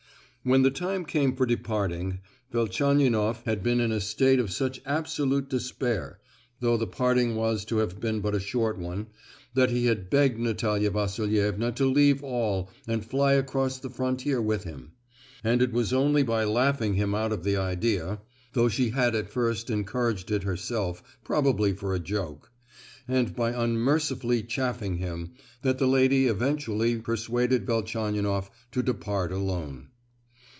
When the time came for departing, Velchaninoff had been in a state of such absolute despair, though the parting was to have been but a short one, that he had begged Natalia Vasilievna to leave all and fly across the frontier with him; and it was only by laughing him out of the idea (though she had at first encouraged it herself, probably for a joke), and by unmercifully chaffing him, that the lady eventually persuaded Velchaninoff to depart alone.